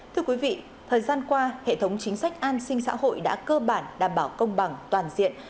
thưa quý vị thời gian qua hệ thống chính sách an sinh xã hội đã cơ bản đảm bảo công bằng toàn diện